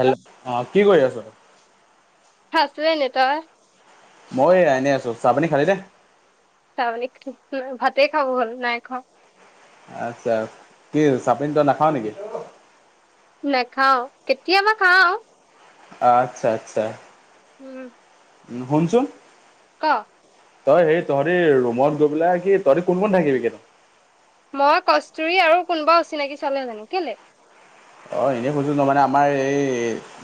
Hello অ কি কৰি আছ থাচোৱে লেতাৰ মই এনে আছো চাহ পানী খালি নে তাৰমানে ভাতে খাওঁ হ'ল নাই খোৱা আচ্ছা কি চাহ পানী তই নাখাও নিকি নেখাও কেতিয়াবা খাও আচ্ছা আচ্ছা উম উম শুনচোন ক তই সেই তহতি ৰুমত গৈ পেলাই কি তহতি কোন কোন থাকিবিগে তাত মই কস্তুুৰী আৰু কোনোবা অচিনাকি ছোৱালী এজনি কেলে অঁ এনেই সুধিছোঁ তা মানে আমাৰ এই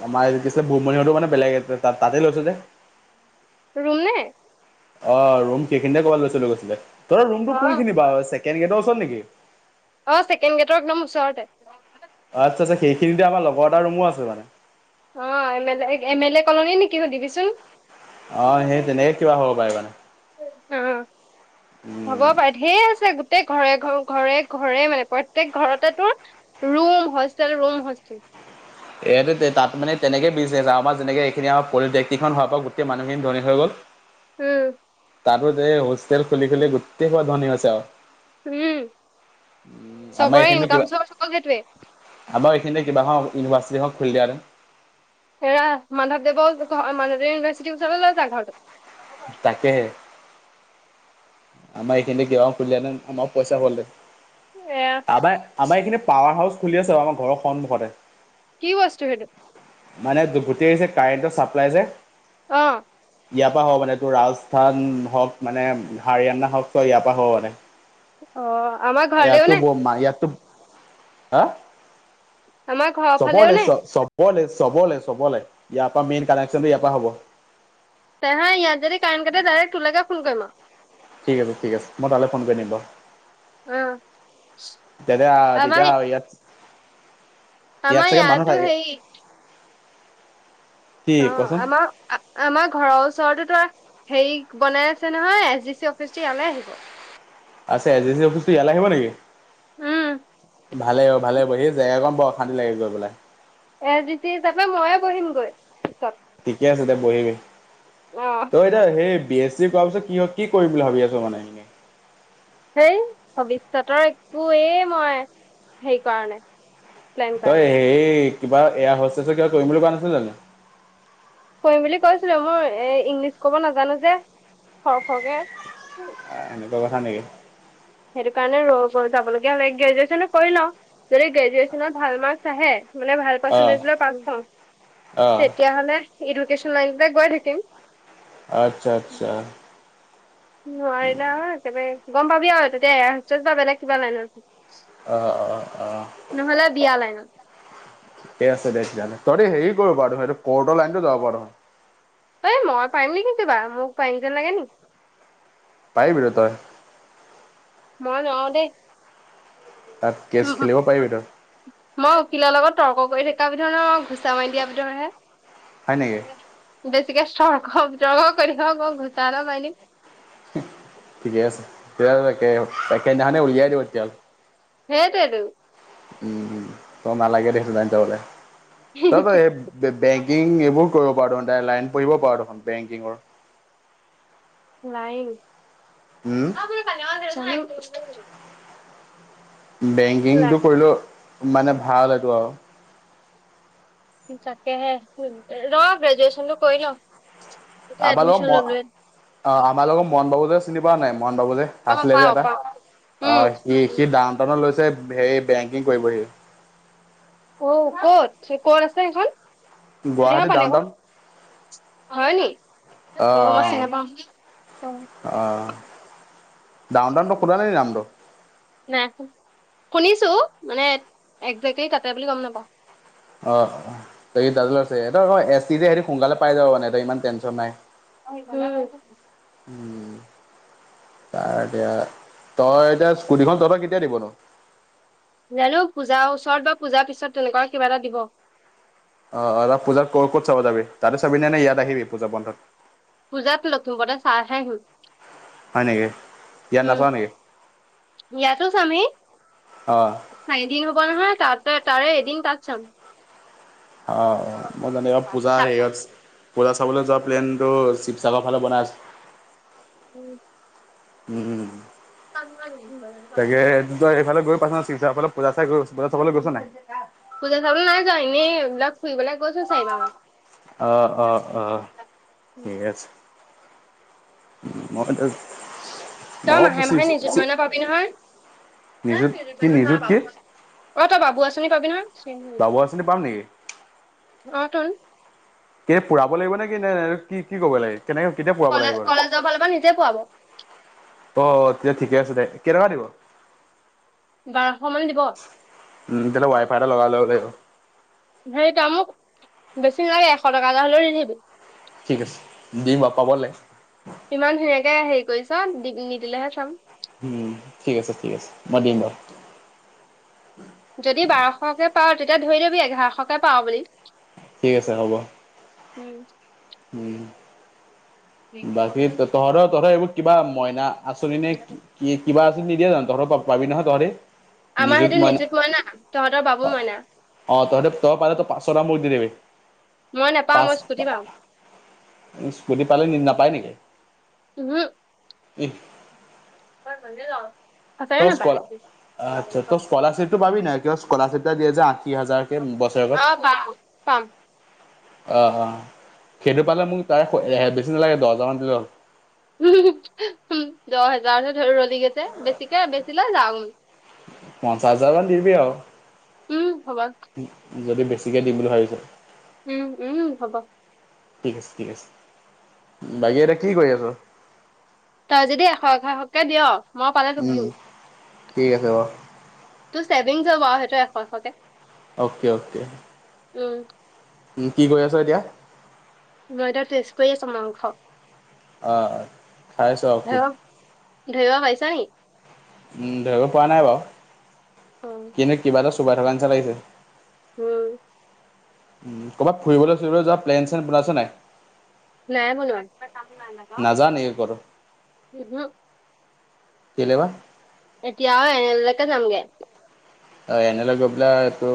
আমাৰ পিছে ভূতমনিহতে মানে বেলেগে তাত তাতে লৈছে যে ৰুম নে অ ৰুম সেইখিনিতে কবাত লৈছে বোলি কৈছিলে তহতৰ ৰুমটো অ কোন খিনিত বাও ছেকেণ্ড গেটৰ ওচৰত নেকি অ ছেকেণ্ড গেটৰ একদম ওচৰতে অ আচ্ছা আচ্ছা সেইখিনিতে আমাৰ লগৰ এটা ৰুমো আছে মানে অঁ M L A M L A colony নিকি সুধিবিচোন অ সেই তেনে কিবা হ'ব পাৰে মানে অ উম হ'ব পাৰে ঢেৰ আছে গোটেই ঘৰে ঘৰে ঘৰে ঘৰে মানে প্ৰত্যেক ঘৰতে তোৰ ৰোম হষ্টেল ৰোম হষ্টেল ইয়াতে তে তাত মানে তেনেকে দিছে আমাৰ যেনেকে এইখিনি আ পলিটেকনিকখন হোৱাৰ পৰা গোটেই মানুহখিনি ধনী হৈ গ'ল উম। তাৰপিছত এই হোষ্টেল খুলি-খুলি গোটেই সোপা ধনী হৈছে আৰু। উম। আমাৰ চবৰে এইখিনি কিবা ইনকাম চৰ্চ অকল সেইটোৱেই। [inaudible] আমাৰ এইখিনতে কিবা এখন ইউনিভাৰ্চিটি এখন খুলি দিয়া হেতেন [unintelligible] এৰা মাধৱদেৱৰ মাধৱদেৱ ইউনিভাৰ্চিটিৰ ওচৰলৈ লৈ যা ঘৰটো। [unintelligible] তাকেহে। আমাৰ এইখিনিতে কিবা এখন খুলি দিয়া হেতেন তামাম পইচা পালোঁ হেতেন। [unintelligible] এৰা [unintelligible] আমাৰ-আমাৰ এইখিনিতে পাৱাৰ হাউচ খুলি আছে বাৰু আমাৰ ঘৰৰ সন্মুখতে। [unintelligible] কি বস্তু সেইটো? মানে গোটেই আহিছে কাৰেণ্টৰ চাপ্লাই যে [unintelligible] অঁ। ইয়াৰ পৰা হ'ব মানে তোৰ ৰাজস্থান হওক মানে, হাৰিয়ানা হওক চব ইয়াৰ পৰা হব মানে। [unintelligible] অ আমাক এয়াতো বম ইয়াতো [unintelligible] হা আমাৰ ঘৰৰ [inaudible] ফালেও চবৰলৈ নে চব-চব [unintelligible] চ'বলে-চবলে-চবলে, ইয়াৰ পৰা মেইন কানেকশচনটো ইয়াৰ পৰা হ'ব। [inaudible] তেনেহলে ইয়াত যদি কাৰেণ্ট কাটে ডাৰেক্ট তোৰলৈকে ফোন কৰিম আৰু। [unintelligible] ঠিক আছে, ঠিক আছে মই তালৈ ফোন কৰি দিম বাৰু। অ', [unintelligible] তেতে আমাৰ তেতিয়া সেই ইয়াত ইয়াত আমাৰ চাগে মানুহ ইয়াতো থাকে হেৰি কি অঁ কচোন আমাৰ আমাৰ ঘৰৰ ওচৰতো তো হেৰি বনাই আছে নহয়, এছ ডি চি অফিচটো ইয়ালে আহিব। [unintelligible] আছে এছডিচি অফিচটো ইয়ালে আহিব নেকি? উম, [unintelligible] ভালেই হ'ব, ভালেই হ'ব সেই জেগা কণ বৰ অশান্তি লাগে গৈ পেলাই। [unintelligible] এছদিচি হিচাপে ময়ে বহিম গৈ। ঠিকে আছে দে বহিবি। [unintelligible] অ [unintelligible] তই এতিয়া সেই বি এছ চি কৰাৰ পিছত কি হয় কি কৰিম বুলি ভাবি আছ মানে? [unintelligible] সেই ভৱিষ্যতৰ একোৱেই মই হেৰি কৰা নাই [unintelligible] প্লেন কৰা নাই। তই সেই কিবা এয়াৰ হষ্টেচৰ কিবা কৰিম বুলি কোৱা নাছিলে জানো [unintelligible] কৰিম বুলি কৈছিলোঁ মোৰ এই ইংলিছ ক'ব নাজানো যে সৰ-সৰকে। [inaudible] [unintelligible] এনেকুৱা কথা নেকি? সেইটো কাৰণে ৰ [unintelligible] যাবলগীয়া হ'লে গ্ৰেজুৱেশ্যনটো কৰি লওঁ, যদি গ্ৰেজুৱেশ্যনত ভাল মাৰ্কছ আহে মানে ভাল অ পাৰ্চেণ্টেজ লৈ পাছ হ‌ওঁ অ [inaudible] তেতিয়াহ'লে এডুকেশ্যন লাইনতে গৈ থাকিম। আচ্ছা-আচ্ছা। নোৱাৰিলে আৰু একেবাৰে গম পাবি আৰু তেতিয়া এয়াৰ হষ্টেচত বা বেলেগ কিবা লাইনত। [unintelligible] অ-অ। [inaudible] অ [inaudible] নহ'লে বিয়া লাইনত। ঠিকে আছে দে তেতিয়াহলে। তহঁতি হেৰি কৰিব পাৰ দেখোন সেইটো ক'ৰ্টৰ লাইনত যাব পাৰ দেখোন। [unintelligible] সেই মই পাৰিম নেকি কিবা, মোক পাৰিম যেন লাগে নেকি? [inaudible] পাৰিবিটো তই। [inaudible] মই নোৱাৰো দেই। [inaudible] তাত কেছ খেলিব পাৰিবি তই। মই উকিলৰ লগত তৰ্ক কৰি থকা বিধৰ নহয় মই ঘুচা মাৰি দিয়া হয় নেকি ভিতৰত হে- বেছিকে সগ জগ কৰিব ক ঘূচা এটা মাৰি দিম। ঠিকে আছে তেতিয়া তে একে দিনাখানে উলিয়াই দিব তেতিয়া হ'লে। সেইটোৱে টো। উম ত নালাগে দে ত বলে তই তই সদায় বেংকিং এইবোৰ কৰিব পাৰ দেখোন ত লাইন পঢ়িব পাৰো দেখোন বেংকিঙৰ। লাইন- হওম, [unintelligible] বেংকিংটো কৰিলেও মানে ভাল এইটো আৰু- তাকেহে ৰ গ্ৰেজুৱেশ্যনটো কৰি লওঁ, তেতিয়া আমাৰ লগত এডমিশন ম ললোৱে অ আমাৰ লগত মণ বাবু যে চিনি পোৱা নাই মণ বাবু যে- অ আছিলে যে পাওঁ এটা পাওঁ অ উম সি সি ডাউন টাউনত লৈছে হেৰি বেংকিং কৰিবহি। অ ক'ত কত আছে সেইখন দেহা গুৱাহাটী পানী আকৌ দামডন হয় নি অ মই চিনি নাপাও অ অঁ ডাউন দাউনটো কোল নে নি নামটো। নাই শুনিছো মানে একজেক্টলি কাটে বুলি গম নাপাওঁ। অ ত আছে এছ সতি সোনকালে পাই যাব মানেই ইমান টেনশ্যন নাই। হয়। উম! ত এতিয়া তই এতিয়া স্কুটিখন তহতই কেতিয়া দিব ন। জানো পূজাৰ ওচৰত বা পূজাৰ পিছত তেনেকুৱা কিবা এটা দিব। অ ত পূজাত ক' ক'ত চাব তাতে চাবি নে নে ইয়াত আহিবি পূজা বন্ধত। পূজাত লথুম বতে চাহ খাই হল। হয় নেকি ইয়াত নাচাও নেকি। ইয়াতোছ আমি। অ', ন এদিন হ'ব নহয় ততে তাৰে এদিন তাত চাম। অ মই জানে এইব পূজা এইচ ক'লা চাবলৈ যোৱা প্লেনটো শিৱসাগৰ ফালে বনাই আছে। উ, উম! কনব কম্পউটাৰ- এইফাল গৈ পাইছ ন ফাল গৈ পাইছ নাই। পূজা চাবলৈ নাই যা এনে এইবিলাক ফুৰিবলৈ গৈছো চাইবান। আহ অ অ ঠিক আছে। মইতো। তই মাহে মাহে নিযুত মইণাৰ পাবি নহয়। নিযুত মইণাৰ নহয় বাবু আচনি পাব। অ তই বাবু আঁচনি পবি নহয় বাবু আঁচনি পাম নেকি? অ তই- কেতি পুৰাব লাগিব নে কি ন কি কি কব লাগে কেনেকে কেতিয়া পুৰাব কলেজ লাগিব বাৰু। কলেজৰ ফালৰ পৰা নিজে পোৱাব অ তেতিয়া ঠিকে আছে দে কেনেকুৱা দিব। বাৰশ মান দিব। উম তেতিয়াহলে ৱাই এটা লগাব লাগিব। হেৰিটো মোক বেছি নালাগে এশ টকা এটা হ'লেও দি থাকিবি। ঠিক আছে দিম বাৰু পাবলৈ। ইমান ধুনীয়াকে হেৰি কৰিছ নিদিলেহে চাম। উম, ঠিক আছে, ঠিক আছে, মই দিম বাৰু। যদি বাৰশকে পাওঁ, তেতিয়া ধৰি লবি এঘাৰশকে পাওঁ বুলি। ঠিক আছে হ'ব। উম। উম। বাকী তহঁতৰ তহঁতৰ এইবোৰ কিবা মইনা আঁচনি নে কিবা আছে নিদিয়া জানো তহঁতৰ পাবি নহয় তহঁতি। আমাৰ হেইটো নিজুক মইনা, তহঁতৰ বাবু মইনা। অ' তই ত তই পালে পাঁচশ এটা মোক দি দিবি মই নাপাওঁ পাচ মই স্কুটি টকা পাওঁ স্কুটি পালে নেকি, নাপায় নেকি? [unintelligible] এই মই মন্দিৰ যাওঁ। তই স্ককলা আচ্ছা তই স্কলাৰশিপটো পাবি নে কিয় স্কলাৰশ্বিপ এটা দিয়ে যে আশী হাজাৰ। অ'পাম, অ' পাম। অ' অ' সেইটো পালে মোক তাৰে বেছি নালাগে দহ হজাৰ মান দিল হ'ল। দহ হোজাৰহ ধৰি ৰলি গৈ যে বেছিকে বেছিলৈ যাম। পঞ্চাছ হাজাৰমান দিবি আৰু উম, হ'ব। যদি বেছিকে দিম বুলি ভাবিছ। উম, উম, হ'ব। ঠিক আছে, ঠিক আছে, বাকী এটা কি কৰি আছোঁ? তই যদি এশ এশকে দিয় মই পালে তোক উম দিম। ঠিক আছে বাৰু টো ছেভিংছ হ'ব আৰ সেইটো এশ এশকে অ'কে, অ'কে। উম। উম, কি কৰি আছা এতিয়া? মই এতিয়া তেষ্ট কৰি আছোঁ মাংস। অ' খাইছোঁ আহ খুব। ধৰিৱা পাইছা নেকি? ধৰিব পৰা নাই বাৰু। উম, কিন্তু কিবা এটা চোবাই থকা নিচিনা লাগিছে। উম। ক'ৰবাত ফুৰিবলৈ চুৰিবলৈ যোৱা প্লেন চেলেন বনাইছনে নাই? নাই বনোৱা নাজানে কৰ [unintelligible] কেলে বা এতিয়া এনেলৈকে যামগে। অ' এনে লেত গৈ পেলাই, এইটো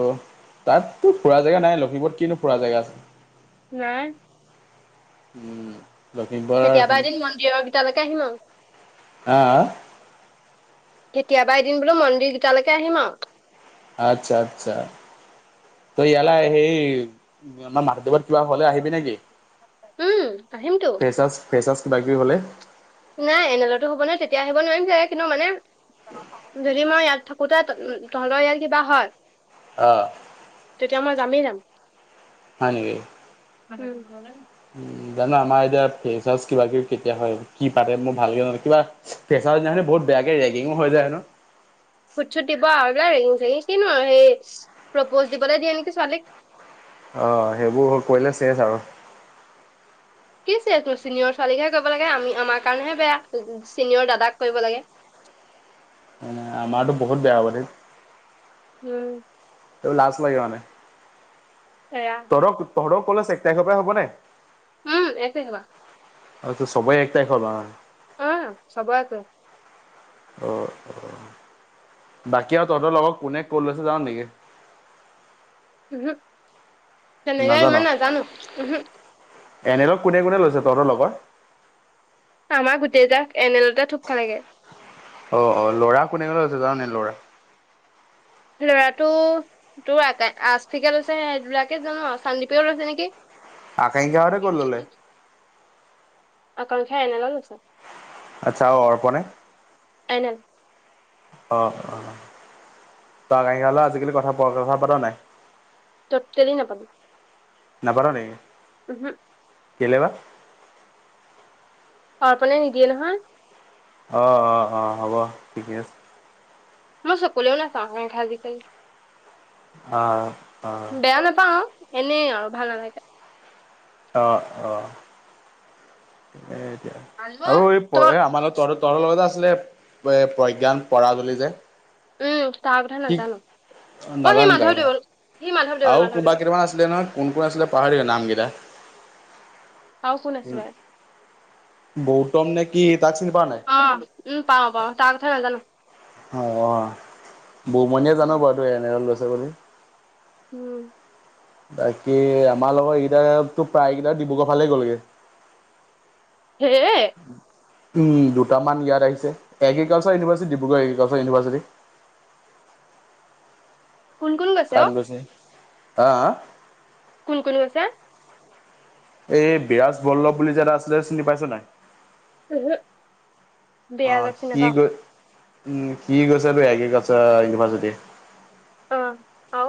তাতো ফুৰা জেগা নাই, লখিমপুৰত কিনো ফুৰা জেগা আছে? নাই। উম। লখিমপুৰৰ কেতিয়াবা এখন এদিন মন্দিৰৰ ভিতৰলৈকে আহিম আৰু আহ কেতিয়াবা এদিন বোলোঁ মন্দিৰ কেইটালৈকে আহিম আৰু আচ্ছা, আচ্ছা, তো ইয়ালে আহি আহ মাধৱৰ্দেৱ তি কিবা হ'লে আহিবি নেকি? উম, আহিমতো। ফ্ৰেছাচ ফ্ৰেছাচ কিবা কিবি হ'লে। নাই এনেলেতো হ'ব নহয়। তেতিয়া আহিব নোৱাৰিম চাগে, কিন্তু মানে যদি মই ইয়াত থাকোতে তহঁলৰ ইয়াত কিবা হয়। অহ। তেতিয়া মই যামেই যাম। হয় নেকি। অ [unintelligible] উ জানা আমাৰ এতিয়া ফ্ৰেছাৰ্ছ কিবা কিবি কেতিয়া হয়, কি পাতে, মোৰ ভালকে ন কিবা ফ্ৰেছাৰ্ছ দিনাখন বহুত বেয়াকে ৰেগিং ওঁ হয় জাই হেনো। খুটছুট দিব আৰু ৰেঙিং চেঙি কিনো আৰু সেই প্ৰপ'জ দিবলৈ দিয়ে নেকি ছোৱালীক। অ সেইবোৰ কৰিলে শেষ আৰু। কি শেষ চিনিয়ৰ ছোৱালীকহে কৰিব লাগে আমিমাৰ কাৰেহে বেয়া চিনিয়ৰ দাদাক কৰিব লাগে। আমাৰতো বহুত বেয়া হব দে। উম লাছ লাগে মানে। সেয়া। তৰক তহৰক কলেজ এক তাৰিখৰ পৰা হব নাই। উম এক তাৰিখৰ পৰা। আৰু সবৰেই এক তাৰিখৰ পৰা অ। উম চবৰ এক তাৰিখ। অ অ বাকী আৰু তহঁতৰ লগৰ কোনে ক'ত লৈছে যান নেকি? উমহু তেনেকেই ইমান নাজানো উমহু। এনেই কোনে কোনে লৈছে তহঁতৰ লগৰ। আমাৰ গোটেইজাক একেলগতে থুপ খালেগে। অ অ ল'ৰা কোনে কোনে লৈছে জানানে ল'ৰা। ল'ৰাটো তোৰ আ আজফিকে লৈছে সেইবিলাকে জান চান্দিপেও লৈছে নেকি? আকাংক্ষাহঁতে ক'ত ল'লে? মাকানখাই অনালে লৈছে। আচ্ছা অ অৰ্পণে এনেল অ অ। তই আকাক্ষাৰ লগত আজিকালি কথা বৰকে কথা পাতা নাই। টোটেলি নাপাটো। নাপাত নেকি? উমহু। কেলে বা? অৰ্পণে নিদিয়ে নহয়। অ অ অ হ'ব ঠিকে আছে। মই চকুলেও নাচাওঁ এ আজিকালি। অ' অ' বেয়া নাপাও এনেই আৰু ভাল নালাগে। অঁ অঁ। এ এতিয়া আৰু এই তই আমাৰ লগত তহতৰ তহতৰ লগতে আছিলে প্ৰজ্ঞান পৰাগ বোলি যে। উম তাৰ কথা। কি নাজানো অ সি নাজানো তাৰ কথা মাধৱদেৱল সি মাধৱদেৱল আৰু কোনোবা মাধৱদেৱল কেইতামান আছিলে নহয়। কোন কোন আছিলে পাহাৰী থাকিলোঁ নাম কেইটা। আৰু কোন আছিলে। গৌতম নে কি তাক চিনি পোৱা নাই। অ উম পাও পাও তাৰ কথা নাজানো। অ অ বৌমনিয়ে জানো বাৰু তই এনেল এ লৈছে বুলি। উম বাকী আমাৰ লগত এইকেইটা তো প্ৰায়কেইটা ডিব্ৰুগড় ফালে গ'লগে হেএএ উম দুটামান ইয়াত আহিছে agriculture university Dibrugarh agriculture university কোন কোন তাত অ গৈছে হা হা কোন কোন গৈছে এই বিৰাজ বল্লভ বুলি যে এটা আছিলে চিনি পাইছ নাই উম হু অ সি গৈ উম সি গৈছে তোৰ এগ্ৰিকালছাৰ ইউনিভাৰ্চিটি অ আও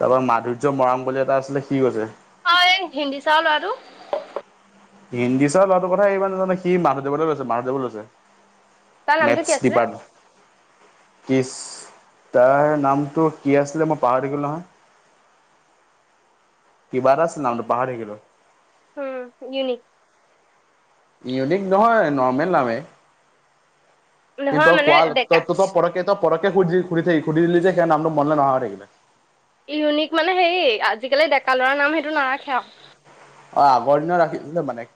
তাৰ পা মাধুৰ্য মৰাণ বুলি এটা আছিলে সি গৈছে অ এই হিন্দী চৰৰ লৰাটো হিন্দী চাৰৰ ল'ৰাটো কথা ই ইমান নাজানে সি মাধদেৱলে গৈছে মাদেৱলে গৈছে তাৰ নামটো মেথছ কি আছিলে ডিপাৰ্ট ইছ্ তাৰ নামটো কি আছিলে মই পাহৰি থাকিলো নহয় কি বা এটা আছিলে নামটো পাহৰি থাকিলো উম ইউনিক ইউনিক নহয় নৰ্মেল নামে নহয় কিন্তু মানে কোৱাৰল ডেকা তইত পৰকে তই পটককে সুধি সুধি সুধি দিলে যে সেয়া নামটো মনলে নহা হৈ থাকিলে ইউনিক মানে হেৰি আজিকালি ডেকা ল'ৰাৰ নাম সেইটো নাৰাখে আৰু অ আগৰ দিনা ৰাখিছিলে মানে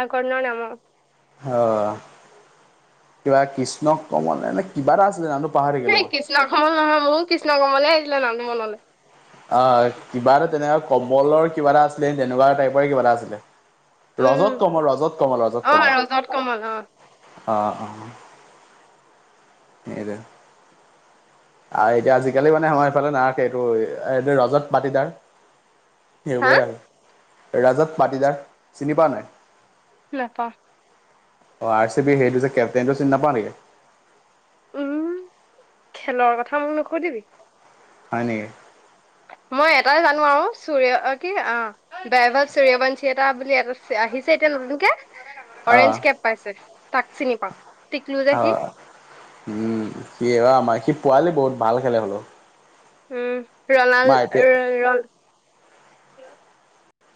আগৰ দিনৰ নাম অ অ কিবা কৃষ্ণ কমল এনে কিবা এটা আছিলে নামটো পাহৰি থাকিলো মই কৃষ্ণা কমল নহয় মোৰো কৃষ্ণ কমলে আহিছিলে নামটো মনলে অ কিবা এটা তেনেকুৱা কমলৰ কিবা এটা আছিলে তেনেকুৱা টাইপৰ কিবা এটা আছিলে উম ৰজত কমল ৰজত কমল ৰজত অ কমল কমল অ অ অ এইটো আৰু এতিয়া আজিকালি মানে আমাৰ এইফালে নাৰাখে এইটো এইটো ৰজত পাটিদাৰ হা সইবোৰে আৰু ৰাজত মাটিদাৰ চিনি পোৱা নাই নেপাও অ আৰ চি বি সেইটো যে কেপ্টেইনেটো চিন নাপাওঁ নিকি উম খেলৰ কথা মোক নসুধিবি হয় নেকি মই এটাই জানো আৰু চুৰে অ কি অ ডাইবাৰ চুৰিয়া বাঞ্চী এটা বুলি এটা চ আহিছে এতিয়া নতুনকে অ' অৰেঞ্জ কেব পাইছে তাক চিনি পাও অ উম সি অ আমাৰ সি পোৱালি বহুত ভাল খেলে বোলো উম ৰণাল্ পি ৰ এল ৰল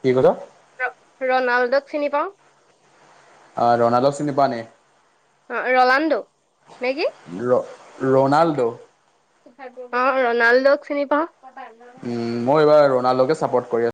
কি কৈছ ৰনাল্ডক চিনি পাওঁ অ ৰণাল্ডক চিনি পোৱা নি অ ৰলাণ্ডো নেকি ৰ অ ৰনাল্ডো ৰনাল্ডোক চিনি পাও উম, মই এইবাৰ ৰণাণ্ডোকে চাপৰ্ট কৰি